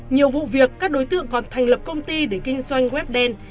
nhiều vụ việc các đối tượng còn thành lập công ty để kinh doanh web đen